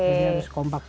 jadi harus kompak